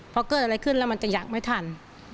พอเกิดอะไรขึ้นแล้วมันจะอยากไม่ทัน